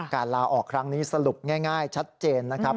ลาออกครั้งนี้สรุปง่ายชัดเจนนะครับ